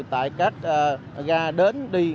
tại các ga đến đi